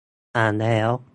อ่านแล้ว